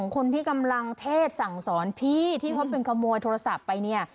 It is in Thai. คนที่กำลังเทศสั่งสอนพี่ที่เขาเป็นขโมยโทรศัพท์ไปเนี่ย